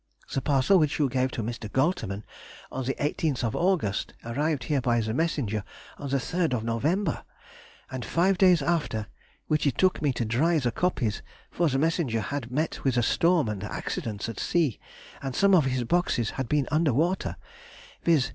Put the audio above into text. The parcel which you gave to Mr. Goltermann on the 18th August arrived here by the messenger on the 3rd November, and five days after (which it took me to dry the copies, for the messenger had met with storm and accidents at sea, and some of his boxes had been under water), viz.